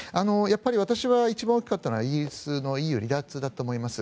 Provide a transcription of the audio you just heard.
私は一番大きかったのはイギリスのＥＵ離脱だと思います。